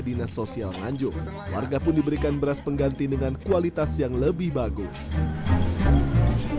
dinas sosial nganjuk warga pun diberikan beras pengganti dengan kualitas yang lebih bagus